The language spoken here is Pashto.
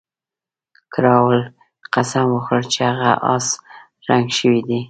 کراول قسم وخوړ چې هغه اس رنګ شوی دی.